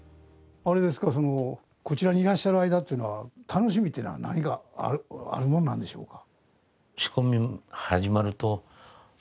こちらにいらっしゃる間っていうのは楽しみというのは何があるものなんでしょうか？